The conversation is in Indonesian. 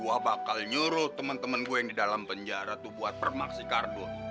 gua bakal nyuruh temen temen gue yang di dalam penjara buat permaks sikardon